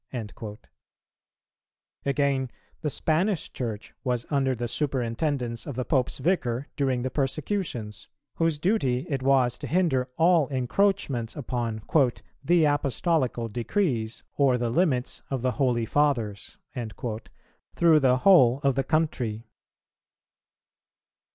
"[282:1] Again, the Spanish Church was under the superintendence of the Pope's Vicar[282:2] during the persecutions, whose duty it was to hinder all encroachments upon "the Apostolical decrees, or the limits of the Holy Fathers," through the whole of the country.